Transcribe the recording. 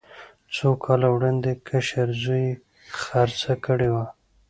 څو کاله وړاندې کشر زوی یې خرڅه کړې وه.